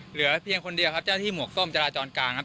เหลือเพียงคนเดียวครับเจ้าที่หมวกส้มจราจรกลางครับ